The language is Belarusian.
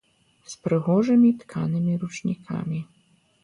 З прыгожымі тканымі ручнікамі.